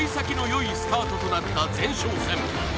よいスタートとなった前哨戦